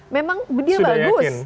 memang dia bagus